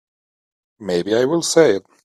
Maybe I will say it.